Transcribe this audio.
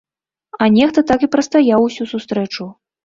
А нехта так і прастаяў усю сустрэчу.